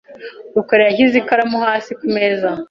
rukara yashyize ikaramu hasi kumeza .